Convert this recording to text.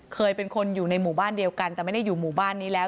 เคยเป็นคนอยู่ในหมู่บ้านเดียวกันแต่ไม่ได้อยู่หมู่บ้านนี้แล้ว